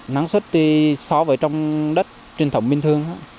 nắng xuất thì so với trong đất truyền thống bình thường